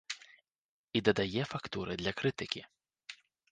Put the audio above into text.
І дадае фактуры для крытыкі.